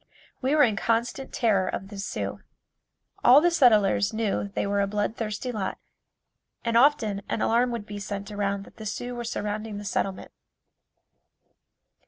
We were in constant terror of the Sioux. All the settlers knew they were a blood thirsty lot and often an alarm would be sent around that the Sioux were surrounding the settlement.